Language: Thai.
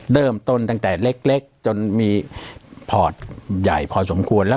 เดิมต้นตั้งแต่เล็กจนมีพอร์ตใหญ่พอสมควร